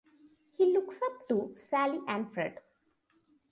He looks up to Sally and Fred.